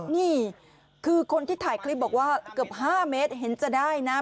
นี่คือคนที่ถ่ายคลิปบอกว่าเกือบ๕เมตรเห็นจะได้นะ